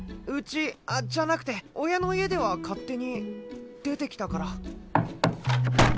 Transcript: うちあっじゃなくて親の家では勝手に出てきたから。